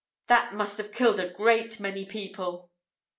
That must have killed a great many people!"